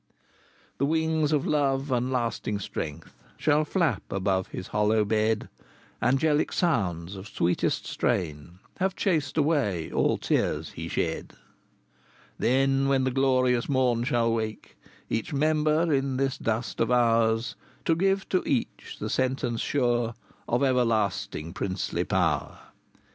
V. The wings of love and lasting strength Shall flap above his hollow bed; Angelic sounds of sweetest strain Have chased away all tears he shed. VI. Then, when the glorious morn shall wake Each member in this dust of ours, To give to each the sentence sure Of everlasting Princely Power VII.